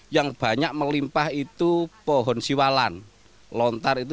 yang banyak melimpah itu pohon siwalan lontar itu